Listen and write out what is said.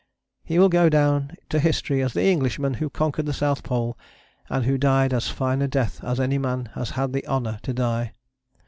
He will go down to history as the Englishman who conquered the South Pole and who died as fine a death as any man has had the honour to die.